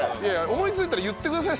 思いついたら言ってください